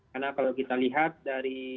karena kalau kita lihat dari